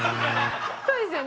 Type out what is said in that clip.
そうですよね。